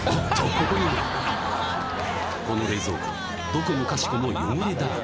ここにもこの冷蔵庫どこもかしこも汚れだらけ